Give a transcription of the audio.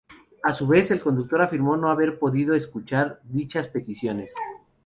A su vez, el conductor afirmó no haber podido escuchar dichas peticiones.